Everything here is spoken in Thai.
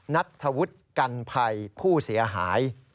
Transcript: นัทธวุฒิกันภัยผู้เสียหาย